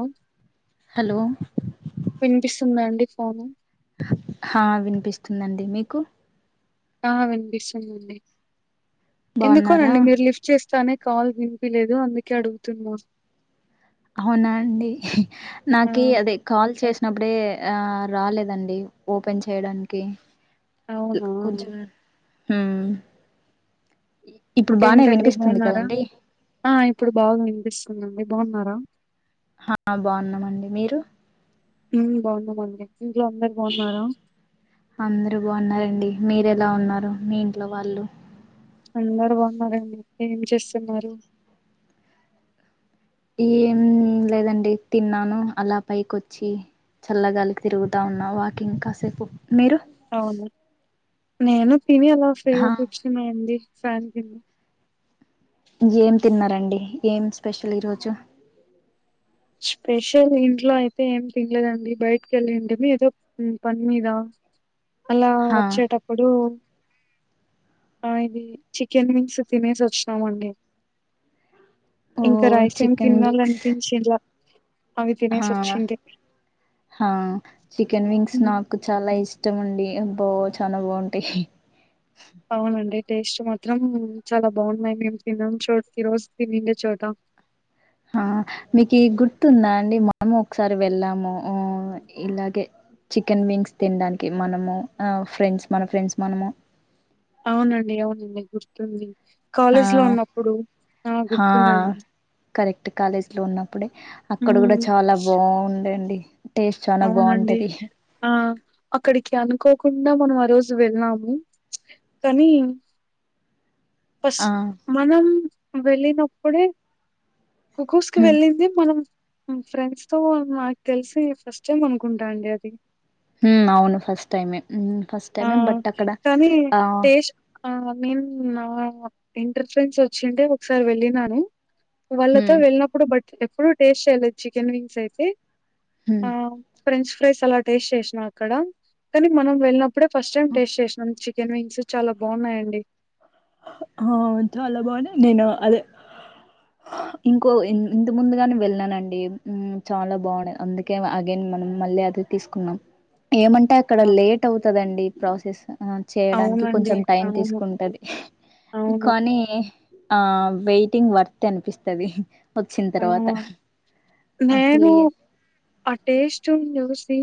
అ hello విన్పిస్తుందండి sorry హా వినిపిస్తుందండి మీకు ఆ వినిపిస్తుందండి బాగున్నారా ఎందుకోనండి మీర్ లిఫ్ట్ చేస్ చా కాల్ వినిపిలేదు అందుకే అడుగుతున్న అవున అండి ఆ నాకి అదే కాల్ చేసినప్పుడే యా రాలేదండి ఓపెన్ చేయడానికి అవునా కొంచం ఉమ్ ఏంటండి బాగున్నార ఆ ఇప్పుడు బాగా వినిపిస్తుందండి బావున్నార హాబాగున్నానండి మీరు ఉమ్ బావున్నా మండి అందరు బాగున్నారంండి మీరెలా ఉన్నారు మీ ఇంట్లో వాళ్ళు అందరు బాగున్నారండి ఏం చేస్తున్నారు ఏం లెదండి తిన్నాను అలా పైకి వచ్చి చల్లగాలి తిరుగుతా ఉన్నా వాకింగ్ కాసేపు మిరు అవును నేను తిని అల ఫ్రీగా కూర్చున్నా అండి ఫ్యాన్ కి ఏం తిన్నరండి ఏం స్పెషల్ ఈరోోజు స్పెషల్ ఇంట్లో అయితే ఏం తినలేదండి బయటికి వెళ్ళింటేమ ఏదో పని మీద అలా హా వచ్చేటప్పుడు ఆ ఇది చికెన్ వింగ్స్ తినేసి వచ్చినామండి ఓ ఇంకా రైస్ ఏం చికెన్ తినాల విక్స్ అనిపించేలా హా హా చికెన్ వింగ్స్ హ్మ్. నాకు చాలా ఇష్టం ఇష్టం ఉండి అబో చాలా బాగుంటాయి అవునండి. టేస్ట్ మాత్రం చాలా బాగున్నాయి మేము తిన్నాం చూ ఈ రోజు తినిండే చోట ఆ మీకు గుర్తుందా అండి మనము ఒకసారి వెళ్ళాము ఉమ్ ఇలాగే చికెన్ వింగ్స్ తినడానికి మనము ఫ్రెండ్స్ మన ఫ్రెండ్స్ మనము అవునండి అవునండి గుర్తుంది ఆ కాలేజీలో ఉన్నప్పుడు ఆ! హా గుర్తుందండి. కరెక్ట్ కాలేజీ లో ఉన్నప్పుడే అక్కడ కూడా హ్మ్. చాలా బాగుందండి టేస్ట్ చాలా అవునండి. బాగుంటది ఆ! అక్కడికి అనుకోకుండా మనం ఆ రోజు వెళ్ళాము కానీ పశ ఆ మనం వెళ్ళినప్పుడే కుకుస్ కి హ్మ్ వెళ్ళింది మనం ఫ్రెండ్స్ తో నాకు తెలిసి ఫస్ట్ టైమ్ అనుకుంటా అండి అది ఉమ్ అవును ఫస్ట్ టైమ్ ఫస్ట్ ఆ! టైమ్ బట్ అక్కడ ఆ ఆ నేన్ నా ఇంటర్ ఫ్రెండ్స్ వచ్చింటే ఒకసారి వెళ్ళినను వాళ్ళతో హ్మ్ వెళ్ళినప్పుడు బట్టి ఎప్పుడు టేస్ట్ చేయ్యలేదు చికెన్ వింగ్స్ అయితే హ్మ్ ఆహ్, ఫ్రెంచ్ ఫ్రైస్ అలా టేస్ట్ చేసినా అక్కడ కాని మనం వెళ్ళిన యాప్ ఫస్ట్ టైం టేస్ట్ చేసాం న్వస్ చాలా బాగున్నాయండి ఆ చాలా బాగున్నాయి నేను అదే ఇంకో ఇంత ముందుగానే వెళ్ళనండి చాలా బాగున్నాయి అందుకే అగైన్ మనం మళ్ళీ అది తీసుకున్నాం ఏమంటే అక్కడ ఆ! లేట్ అవుతుందిండి ప్రాసెస్ చేయడానికి అవునండి. కొంచెం టైం అవును. తీసుకుంటుంది అవును. కొనే ఆ ఆ వెయిటింగ్ వర్తి అనిపిస్తుది ఆ అసలు నేను ఇగ అ టేస్టి చుస్ సే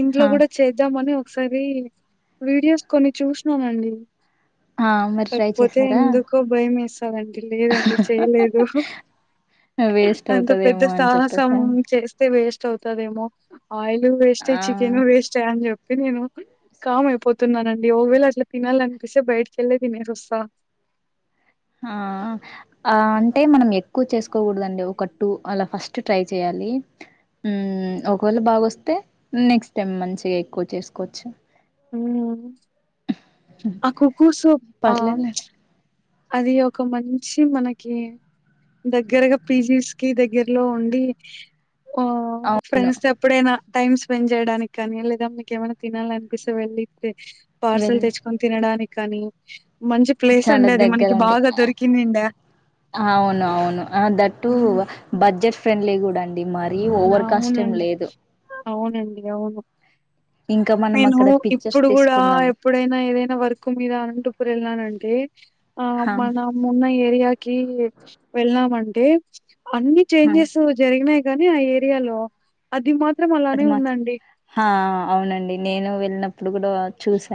ఇంట్లో హా కూడా చేద్దామని ఒకాసరి వీడియోస్ కొన్ని చూసినామండి ఆ మరి ట్రై తకపోతే చేసారా ఎందుకో భయం వేసు అదండి లేదండి చేయలేదు వేస్ట్ అంత పెద్ద అవుతదేమో అని సాహసం చెప్పేసాను చేస్తే వేస్ట్ అవుతదేమో ఆయిల్ వేస్టే ఆ చికెన్ వేస్టే అం చెప్ప అ నేను కామ్ అయిపోతున్నానండి ఒకవేళ అట్లా తినాలనిపిస్తే బయటికి వెళ్ళే తినేసి వస్తా ఆ ఆ అంటే మనం ఎక్కువ చేసుకోకూడదండి ఒక టూ అలా ఫస్ట్ ట్రై చేయాలి ఒకవేళ బాగొస్తే నెక్స్ట్ టైమ్ మంచిగా ఎక్కువ చేసుకోవచ్చు ఆ అక్క కోసం పర్లేదులేండి అది ఒక మంచి మనకి దగ్గరగా పీజీస్ కి దగ్గరలో ఉండి ఓ అవు ఫ్రెండ్స్ ఎప్పుడైనా టైమ్ స్పెండ్ చేయడానికి కానీ లేదా మీకేమైనా తినాలి అనిపిస్తే వెళ్ళి పార్సల్ వెళ్ళి తెచ్చుకొని తినడానికి కానీ మంచి ప్లేస్ అంటే గద అండి అవును అవును దట్టు హ్మ్. బ బడ్జెట్ ఫ్రెండ్లీ కూడాండి అది మరీ ఓవర్ కాస్ట్ ఏం అవునండి లేదు అవునండి అవును ఇంకా మనం నేను అక్కడ పిక్చర్స్ ఇప్పుడు కూడా తీసుకున్నాం ఎప్పుడైనా ఏదైనా వర్క్ మీద అనంతపూరు వెళ్ళనంటే ఆ హా మన ఉన్న ఏరియాకి వెళ్ళామండి ఏ అన్ని హా చేంజెస్ జరిగినాయి కానీ ఆ ఏరియాలో అది మాత్ర అది మాత్రం ఆ ఆ అవునండి నేను వెళ్ళినప్పు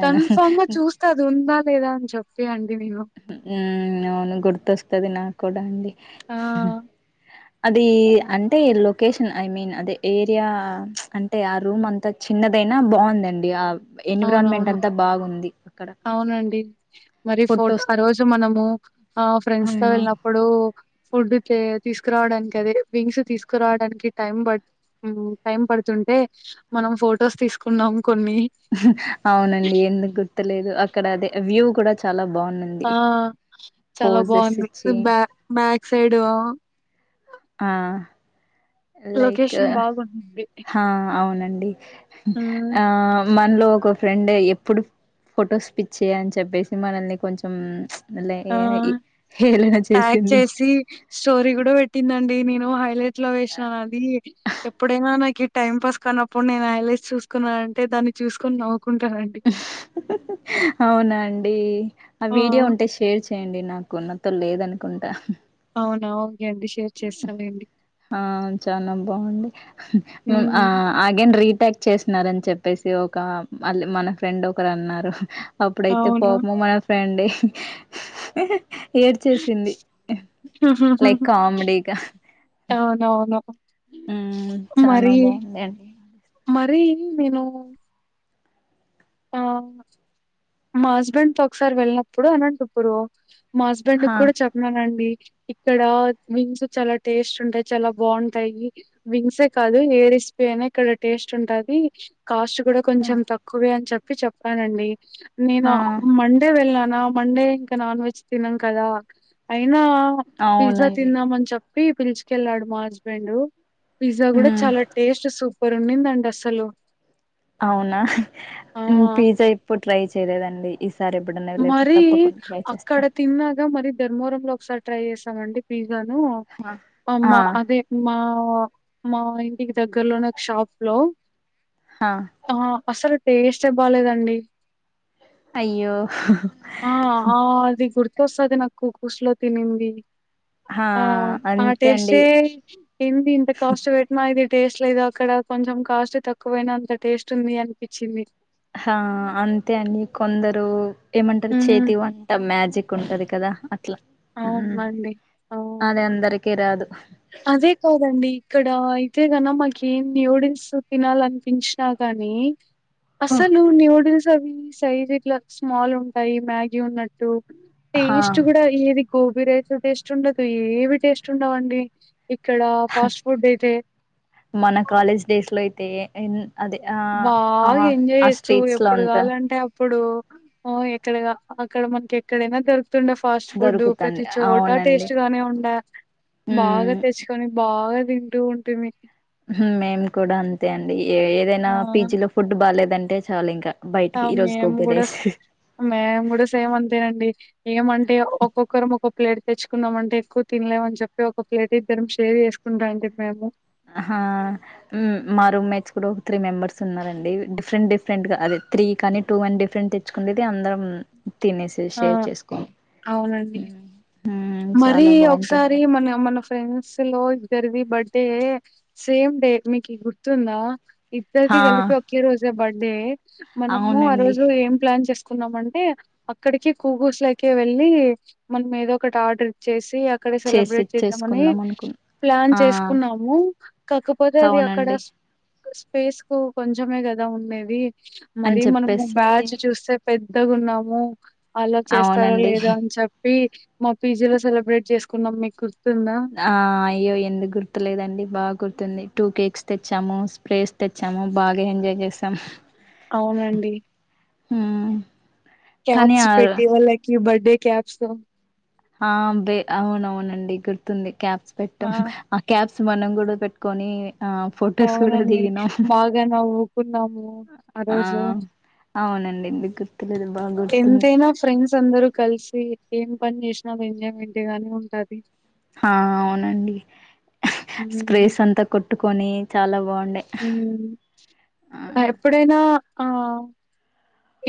కన్ఫర్మ్ గా చూస్తాది ఉా లేదా అని చెప్పి అండి తెలియో ఆ అవును గుర్తొస్తుంది నా కూడా అండి [inaudible] ఆ అది అంటే లొకేషన్ ఐ మీన్ అదే ఏరియా అంటే అంటే ఆ రూమ్ హ్మ్ అంతా చిన్న అయినా బాగుందండి ఆ రూమ్ అవునవును అవునండి మరి ఫోటో ఫొటోస్ ఆ రోజు మనము ఆ ఫ్రెండ్స్ తో మ్మ్ వెళ్ళినప్పుడు ఫుడ్ తీసుకురావడానికి అదే వింగ్స్ తీసుకురావడానికి టైం ప టైం పడుతుంటే మనం ఫొటోస్ తీసుకున్నాం కొన్ని అవునండి ఎందుకు గుర్తులేదు అక్కడ అదే వ్యూ కూడా చాలా బాగుంది ఆ చాలా పోజెస్ ఇచ్చి బాగుంది బ్యా బ్యాక్ సైడ్ ఆ లైక్ లొకేషన్ బాగుంది. హ అవునండి హ్మ్. ఆ మనలో ఒక ఫ్రెండ్ ఎప్పుడు ఫొటోస్ పిచ్చి అని చెప్పేసి మనల్ని కొంచెం లే ఆ ఇ హేళన ప్యాక్ చేసింది. చేసి స్టోరీ కూడా పెట్టిందండి నేను హైలే ఇంట్లో వేసినానని అది ఎప్పుడైనా నాకు టైం పాస్ కన్నప్పుడు నేను ఐల్స్ చూకున్నానునంటే దాన్ని చూసుకొనివు అవునండి ఆ వీడియో ఉంటే షేర్ చెయ్ చేయండి నాకు ఉన్నతం లేద అనుకుంటా అవునా అండి. షేర్ చేస్తాలేండి. ఆ చనా బాగుండి ఆ హ్మ్. ఆగేన్ రీతి టాక్ చేసినారని చెప్పేసి ఒక మళ్ళ మన ఫ్రెండ్ ఒకరు అన్నారు అప్పుడైతే అవును. పోము మన ఫ్రెండ్ ఏడ్చేసింది లైక్ కామెడీ అవునవును ఉమ్ చానా మరి బాగుందండి మరి మేను మా హస్బండ్ తో ఒకసారి వెళ్లినప్పుడు అనంతపురు మా హస్బండ్ కి హా కూడా చెప్పానండి ఇక్కడ వింగ్స్ చాలా టేస్ట్ ఉంటాయి చాలా బాగుంటాయి వింగ్సే కాదు ఏ రిస్పీ అయినా ఇక్కడ టేస్ట్ ఉంటది కాస్ట్ కూడా కొంచం తక్కువే అని చెప్ప చెప్ప చెప్పానండి నేను హా మండే వెల్ మండే ఇంకా నాన్ వెజ్ తినం కదా అ పిజ్జా అవునండి తిన్నామని చెప్ప పిలుచుకెళ్ళాడు మా హస్బెండ్ పిజ్జా కూడా ఉమ్ చాలా టేస్ట్ సూప్ ఎరున్నిందండి అస్సలు అవునా పిజ్జా ఎప్పు ట్రై చేయలేదండి. ఈసారి ఎప్పుడన్నా వెళ్ళేప్పుడు మరి తప్పకుండా ట్రై అక్కడ చేస్తా తిన్నాగా మరి ధర్మవరం లో ఒకసారి ట్రై చేసామండి. పి జ్జను ఆ అమ్మా అదే మా మా ఇంటికి దగ్గర్లో నే షాప్ లో హా ఆ అస్సలు టెస్టే బాలేదండి. అయ్యో ఆ ఆ అది గుర్తు వస్తది నాకు కూర్సులో తినింది. హా ఆ ఆ అంతే అండి టేస్టే ఎంటి ఇంత కాస్ట్ పెట్టిన ఇది. టేస్ట్ లేదు. అక్కడ కొంచెం కాస్ట్ తక్కువైనా అంత టేస్ట్ ఉంది. అనిపించింది హా అంతే అండి కొందరు ఏమంటారు. హ్మ్. చేతి వంట మ్యాజిక్ ఉంటది. కదా అట్లా హ్ అవునండి. అవును. అదే అందరికీ రాదు. అదే కాదండి. ఇక్కడ అయితే గాన్నా మాకేంది న్యూడిల్స్ తినాలనిపించినా గాని అఅస్సలు న్యూడిల్స్ అవి సైజ్ ఇట్లా స్మాల్ ఉంటాయి. మ్యాగీ ఉన్నట్టు హా టెస్ట్ కూడా ఏది గోబీ రైస్ టేస్ట్ ఉండదు. ఏవి టేస్ట్ ఉండవు అండి. ఇ మన కాలేజ్ డేస్ లో అయితే ఏన్ అదే ఆ ఆ బాగా ఆ స్ట్రీట్స్ లో అంత ప్పుడు ఆ ఎక్కడ అక్కడ మనకి ఎక్కడైనా దొరు తుండ ఫాస్ట్ ఫుడ్ దొరుకుతంది ప్రతి చోటా అవునండి టేస్ట్ గానే ఉండ బాగా ఉమ్ తెచ్చుకొని బాగా తింటూ ఉంటే మీకి హ్ మేము కూడా అంతే అండి. ఏ ఏదైనా ఆ! పీజీ లో ఫుడ్ బాగలేదం టే చాలు ఇంకా ఆ బయటికి ఈరోజు మేము గోబీ కూడా రైస్ మేము కూడా సేమ్ అంతేనండి ఏమంటే ఒక్కొక్కరు ఒక్కొ ప్లేట్ తెచ్చుకున్నాం అంటే ఎక్కువ తినలేమని చెప్పి ఒక ప్లేట్ ఇద్దరం షేర్ చేసుకుంటా అని చెప్పాము హ మా రూమ్ మేట్స్ కూడా ఒక త్రీ మెంబర్స్ ఉన్నారండి డిఫరెంట్ డిఫరెంట్ గా అదే త్రీ కానీ టూ అని డిఫరెంట్ తెచ్చుకునేది అందరం తినేసి ఆ షేర్ చేసుకోం ఉమ్ మరి చాలా ఒకసారి బాగుంటుండే మన మన ఫ్రెండ్స్ లో ఇద్దరివీ బర్త్డే టే సేమ్ డే మీకు గుర్తుందా ఇద్దరిది హా గలిపి ఒకే రోజు జుఎ బడ్డే మనము ఆ అవునండి రోజు ఏం ప్లాన్ చేస్ కున్నమంటే, అక్కడికి కూగూస్ లెకే వెళ్ళి మనంమేదో ఒకటి ఆర్డర్ చేస్ టె అక్కడ చేసి సెలబ్రేట్ చేద్దామని చేసుకుందాం అనుకున్ ప్లాన్ ఆ చేసుకున్నాము. కాకపోతే అది అక్కడ అవునండి క్క స్పేస్ కు కొంచమే కదా ఉండేది. అని మరి మనము చెప్పేసి బ్యాచ్ చూస్తే పెద్ద ద్దగున్నాము అలో చేస్తారో అవునండి లేదో అని చెప్ప వీక్స్ మా పీజీ లో సెలబ్రేట్ చేసుకున్నాం మీకు గుర్తుందా ఆ అయ్యో ఎందుకు గుర్తులేదండి బాగా గుర్తుంది టూ కేక్స్ తెచ్చాము, స్ప్రేస్ తెచ్చాము బాగా ఎంజాయ్ చేసాం. అవునండి హు క్యాప్స్ పెట్టి వాళ్ళకి బర్డే క్యాబ్స్ తొ ఆ బే ఔనౌనండి గుర్తుంది. కాప్స్ పెట్టమ్, ఆ కబ్స్ స్స్ మనం గుడా పెట్ట్కొని అవునండి బాగా నవ్వుకున్నాము ఆ రోజు అవునండి ఎందుకు గుర్తులేదు బాగా గుర్తుంది ఎంతైనా ఫ్రెండ్స్ అందరు కలిసి ఏం పన్న్ చేస్నా ఒ ఎంజాయ్ మెంటే గాని ఉంటా హా అవునండి స్ప్రేస్ అంతా కొట్టుక్ కొని చాలా బాగుండే ఉ, ఆ అ ఎప్పుడైనా ఆ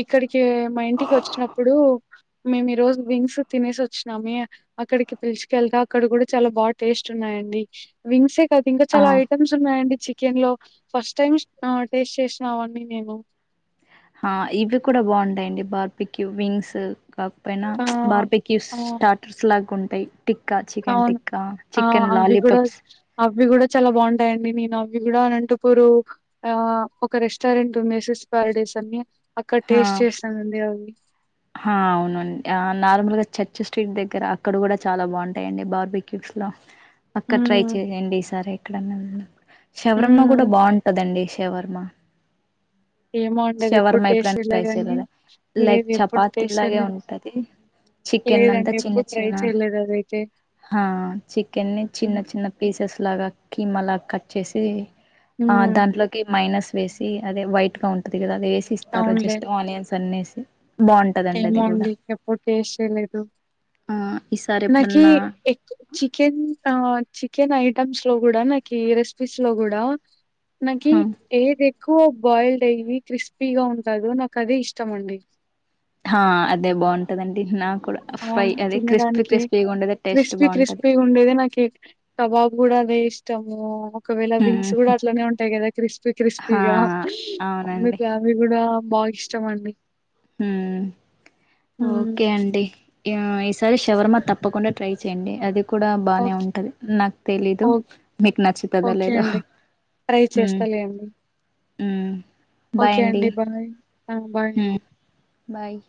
ఇక్కడి కే మా ఇంటికి వచ్చినప్పుడు మేము ఈ రోజు వింగ్స్ తినేసి వచ్చినామి, అక్కడికి పిల్చుకెల్త అక్కడ కూడా చాలా బా టేస్ట్ ఉన్నాయండి వింగ్సె త తింక ఆ చాలా ఐటమ్స్ ఉన్నాయండి. చికెన్ లో ఫస్ట్ టైంస్ ఆ టేస్ట్ చేస్నాంవండి నేను ఆ ఇవి కూడా బావుంటాయండి బార్బిక్యూ, వింగ్స్ కాకపోయినా ఆ ప్చ్ బార్బెకివ్స్, ఆ స్టాట్రర్స్ లాగు రి అవును ఆ అవి కూడా లాలీపాప్స్ అవి కూడా చాలా బావుంటాయండి నేను అవ్ ఇవి కూడా అనంటపూరు, ఆ ఒక రెస్టారెంటుంది మెసెస్ పార్డేస్ అన్ని అక్కడ టేస్ట్ చేసానండి అవి హా అవునండి ఆ నార్మల్గా చర్చ్ స్ట్రీట్ దగ్గర అక్కడ కూడా చాలా బాగుంటాయిండి బార్బీ క్యూట్స్ లో అక్క ఉమ్ ట్రై చేయండి ఈ సారి దండం శవరమ్మ కూడా ఉమ్ బావుంటదండి. తెవర్మ ఏమో అండి అదెప్పుడు టేస్ట్ సేలగాని, లేదు ఎప్పుడ్ టిలాగె ఉంటది చికెన్ నంత లేదండి చిన్న ఎప్పుడు ట్రై చిన్న, చేయలేదు అదైతే. ఆ చిక్కెన్నె చిన్న హ్మ్. చిన్న ఫీ పీసెస్ లాగా, కీమలాగ కట్ చేసి ఆ హ్మ్. దాంట్లోకి మైనస్ వేసి అదే వైట్ గా ఉంటది కదా అదే సిస్తారు జస్ట్ ఆనియన్స్ కన్నేసి ఏమోండి ఎప్పుడు టేస్ట్ చేయలేదు ఆ ఈసారి నాకి ఎప్పుడన్నా ఎక్ చికెన్ చికెన్ ఐ ఐమ్స్ లో కూడా నాకు ఈ రెసిపీస్ లో కూడా నాకి హా ఏది ఎక్కువ బాయిల్డ్ అయి క్రిస్పీగా ఉంటది నాకు అదే ఇష్టం అండి ఆ అదే బాగుంటదండి నా అవును తినడానికి ఉండేది టేస్ట్ క్రిస్పీ బాగుంటది క్రిస్పీ ఉండేది నాకు కబాబ్ కూడా అదే ఇష్టం త ఒకవేళ వింగ్స్ హ్మ్ కూడా అట్లనే ఉంటాయి కదా క్రిస్పీ హా క్రిస్పీగా అప్పుడు అవునండి ఫ్యామిలీ కూడా బాగా ఇష్టం అండి హ్మ్. ఓకే అండి ఈసారి శవర్మ తప్పకుండా ట్రై చేయండి అది కూడా బానే ఓక్ ఉంటది నాకు తెలీదు ఓక్ మీకు నచ్చుతాదో ఓకే లేదు అండి. ట్రై చేస్తాలేండి. బాయ్ ఓకే అండి బాయ్. ఆ! బాయ్ అండి. బాయ్